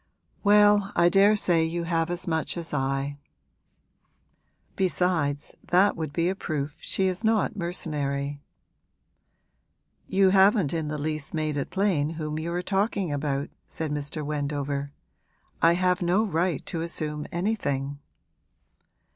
'Well, I daresay you have as much as I. Besides, that would be a proof she is not mercenary.' 'You haven't in the least made it plain whom you are talking about,' said Mr. Wendover. 'I have no right to assume anything.'